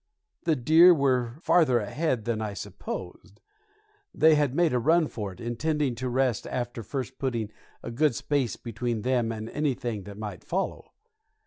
The deer were farther ahead than I supposed. They had made a run for it, intending to rest after first putting a good space between them and anything that might follow.